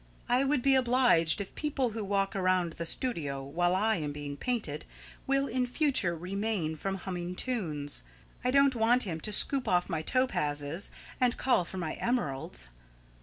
I would be obliged if people who walk around the studio while I am being painted will in future refrain from humming tunes. I don't want him to scoop off my topazes and call for my emeralds.